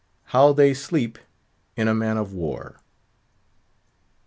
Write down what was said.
HOW THEY SLEEP IN A MAN OF WAR.